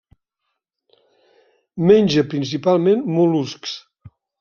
Menja principalment mol·luscs.